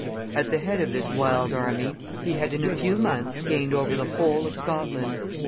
At the head of this wild army, he had in a few months gained over the whole of Scotland.